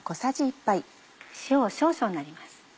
塩を少々になります。